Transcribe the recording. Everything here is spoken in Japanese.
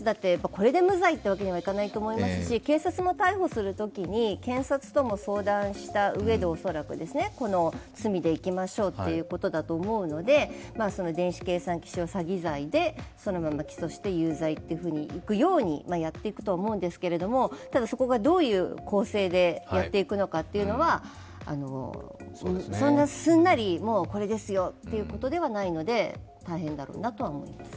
これで無罪というわけにいかないと思いますし、警察も逮捕するときに検察とも相談したうえで、恐らく、この罪でいきましょうということだと思うので電子計算機使用詐欺罪でそのまま起訴して有罪といくようにやっていくとは思うんですが、そこがどういう構成でやっていくかというのはそんな、すんなり、もうこれですよということではないので大変だと思います。